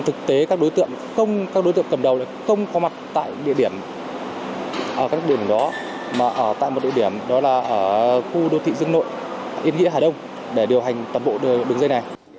thực tế các đối tượng cầm đầu không có mặt tại địa điểm đó mà ở tại một địa điểm đó là ở khu đô thị dân nội yên nghĩa hải đông để điều hành tầm bộ đường dây này